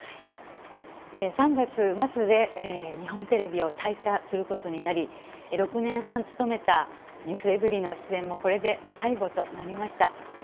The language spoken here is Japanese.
３月末で日本テレビを退社することになり、６年半務めた、ｎｅｗｓｅｖｅｒｙ．の出演もこれで最後となりました。